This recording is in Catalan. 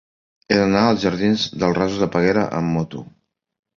He d'anar a la jardins dels Rasos de Peguera amb moto.